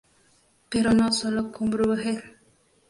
Pero no solo con Brueghel.